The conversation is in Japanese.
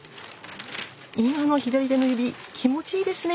今の左手の指気持ちいいですね。